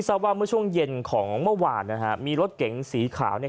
ทราบว่าเมื่อช่วงเย็นของเมื่อวานนะฮะมีรถเก๋งสีขาวเนี่ย